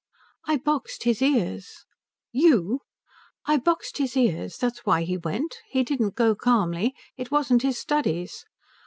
"I boxed his ears." "You?" "I boxed his ears. That's why he went. He didn't go calmly. It wasn't his studies."